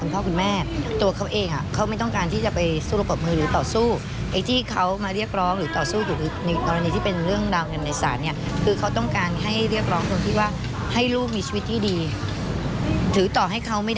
โปรดติดตามตอนต่อไป